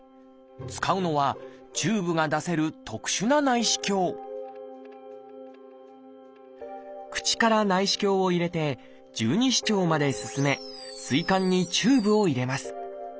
使うのはチューブが出せる特殊な内視鏡口から内視鏡を入れて十二指腸まで進め膵管にチューブを入れます。